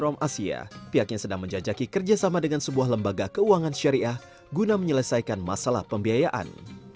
menurut adi utama salah satu founder ihrom asia pihaknya sedang menjajaki kerjasama dengan sebuah lembaga keuangan syariah guna menyelesaikan masalah pembiayaan